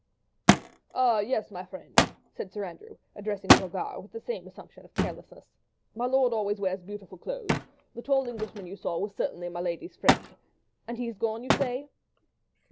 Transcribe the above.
"Ah, yes, my friend," said Sir Andrew, addressing Brogard, with the same assumption of carelessness, "my lord always wears beautiful clothes; the tall Englishman you saw, was certainly my lady's friend. And he has gone, you say?"